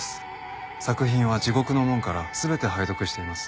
作品は『地獄の門』から全て拝読しています。